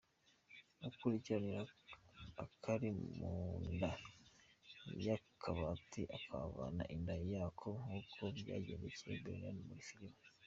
Ukurikirana akari munda y’akabati ukahavana inda yako nk’uko byagendekeye Brenda muri filimi “.